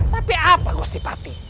tapi apa gusti pati